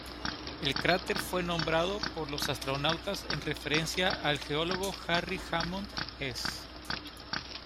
El cráter fue nombrado por los astronautas en referencia al geólogo Harry Hammond Hess.